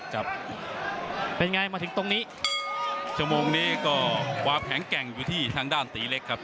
ครับเป็นไงมาถึงตรงนี้ชั่วโมงนี้ก็ความแข็งแกร่งอยู่ที่ทางด้านตีเล็กครับ